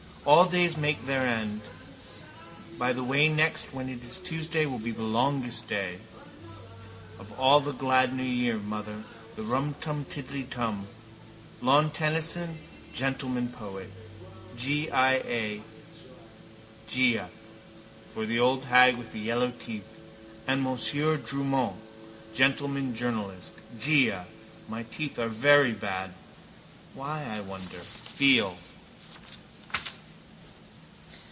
All days make their end. By the way next when is it Tuesday will be the longest day. Of all the glad new year, mother, the rum tum tiddledy tum. Lawn Tennyson, gentleman poet. Già. For the old hag with the yellow teeth. And Monsieur Drumont, gentleman journalist. Già. My teeth are very bad. Why, I wonder. Feel.